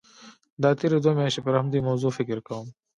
دا تېرې دوه میاشتې پر همدې موضوع فکر کوم.